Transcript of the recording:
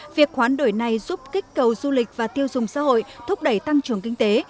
việc hoán đổi này giúp kích cầu du lịch và tiêu dùng xã hội thúc đẩy tăng trưởng kinh tế